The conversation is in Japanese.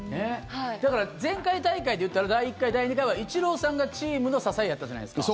だから前回大会で言ったら第１回、第２回はイチローさんがチームの支えだったじゃないですか。